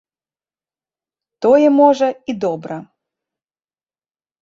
Тое, можа, і добра.